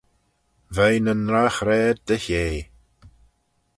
Veih nyn drogh raad dy hea.